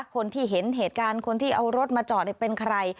คนที่เห็นเหตุการณ์คนที่เอารถมาจอดเป็นใคร